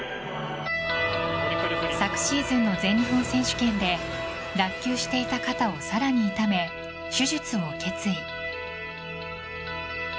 昨シーズンの全日本選手権で脱きゅうしていた肩をさらに痛め手術を決意。